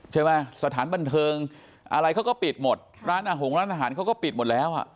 สถานบันเทิงอะไรเขาก็ปิดหมดร้านอาหารร้านอาหารเขาก็ปิดหมดแล้วอ่ะ